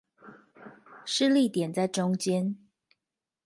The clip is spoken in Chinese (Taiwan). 施力點在中間